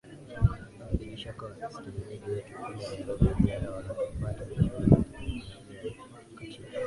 aa bila shaka wasikilizaji wetu kule nairobi uganda wanatupata vizuri na tunaingia katika